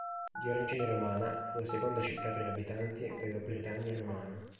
Di origine romana, fu la seconda città per abitanti della Britannia romana.